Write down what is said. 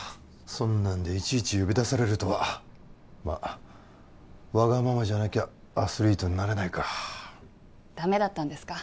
そんなんでいちいち呼び出されるとはまっわがままじゃなきゃアスリートになれないかダメだったんですか？